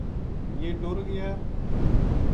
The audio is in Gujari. یہ ٹر گیا